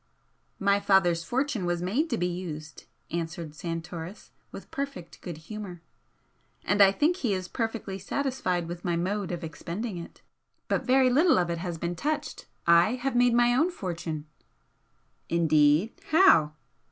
"My father's fortune was made to be used," answered Santoris, with perfect good humour "And I think he is perfectly satisfied with my mode of expending it. But very little of it has been touched. I have made my own fortune." "Indeed! How?"